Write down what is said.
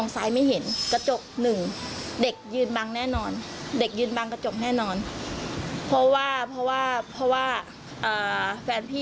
จริงไม่น่าใจ